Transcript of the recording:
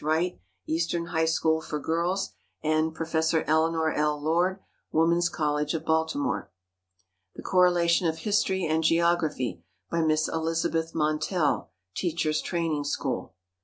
Wright, Eastern High School for Girls, and Prof. Eleanor L. Lord, Woman's College of Baltimore. "The Correlation of History and Geography," by Miss Elizabeth Montell, Teachers' Training School.